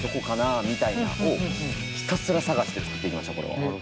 みたいなんをひたすら探して作っていきましたこれは。